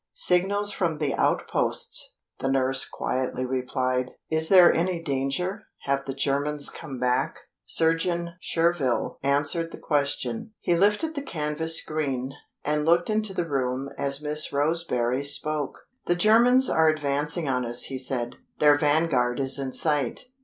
"Signals from the outposts," the nurse quietly replied. "Is there any danger? Have the Germans come back?" Surgeon Surville answered the question. He lifted the canvas screen, and looked into the room as Miss Roseberry spoke. "The Germans are advancing on us," he said. "Their vanguard is in sight."